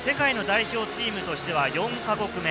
世界の代表チームとしては４か国目。